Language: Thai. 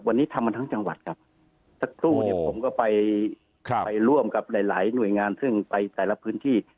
วันนี้ทำมาทั้งจังหวัดครับสักตู้ผมก็ไปร่วมกับหลายหน่วยงานซึ่งไปแต่ละพื้นที่